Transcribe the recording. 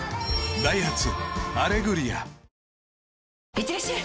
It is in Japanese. いってらっしゃい！